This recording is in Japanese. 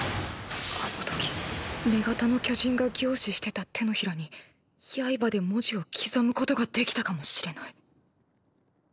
あの時女型の巨人が凝視してた手のひらに刃で文字を刻むことができたかもしれない。